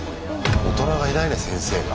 大人がいないね先生が。